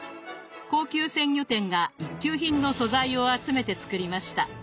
高級鮮魚店が一級品の素材を集めて作りました。